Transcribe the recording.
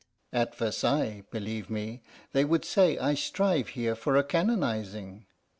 "At Versailles, believe me, they would say I strive here for a canonizing.